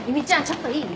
ちょっといい？